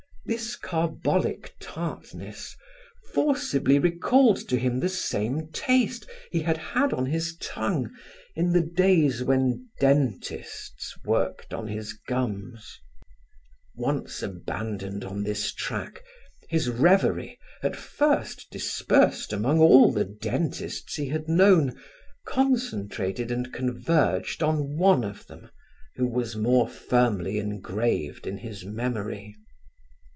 This carbolic tartness forcibly recalled to him the same taste he had had on his tongue in the days when dentists worked on his gums. Once abandoned on this track, his revery, at first dispersed among all the dentists he had known, concentrated and converged on one of them who was more firmly engraved in his memory.